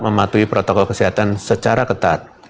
mematuhi protokol kesehatan secara ketat